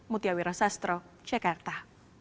mutiawira sastro cekarta